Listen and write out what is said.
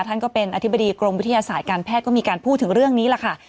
ท่านก็เป็นอธิบดีกรมวิทยาศาสตร์การแพทย์ก็มีการพูดถึงเรื่องนี้แหละค่ะ